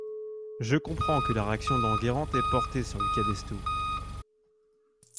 Je comprends que la réaction d’Enguerrand t’ait porté sur le cabestou.